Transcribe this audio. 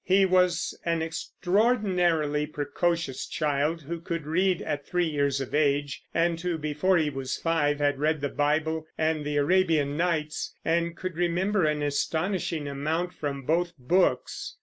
He was an extraordinarily precocious child, who could read at three years of age, and who, before he was five, had read the Bible and the Arabian Nights, and could remember an astonishing amount from both books.